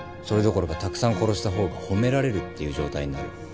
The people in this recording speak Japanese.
それどころかたくさん殺した方が褒められるっていう状態になる。